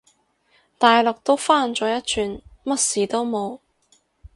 大陸都返咗一轉，乜事都冇